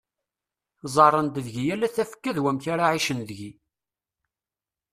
Ẓẓaren-d deg-i ala tafekka d wamek ara ɛicen deg-i.